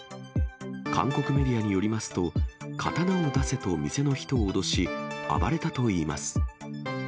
韓国メディアによりますと、刀を出せと店の人を脅し、暴れたといいます。